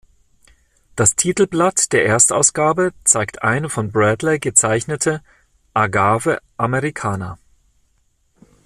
Das Titelblatt der Erstausgabe zeigt eine von Bradley gezeichnete "Agave americana".